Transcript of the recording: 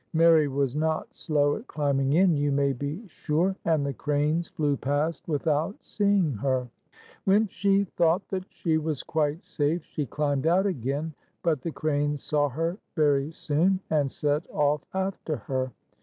Mary was not slow at climbing in, you may be sure; and the cranes flew past without seeing her. 46 When she thought that she was quite safe, she climbed out again. But the cranes saw her very soon, and set off after her.